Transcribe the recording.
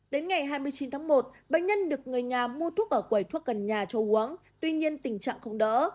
đến ngày hai mươi chín tháng một bệnh nhân được người nhà mua thuốc ở quầy thuốc gần nhà cho uống tuy nhiên tình trạng không đỡ